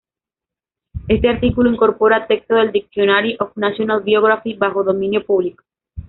Este artículo incorpora texto del Dictionary of national biography bajo dominio público.